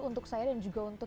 untuk saya dan juga untuk